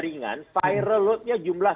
ringan viral loadnya jumlah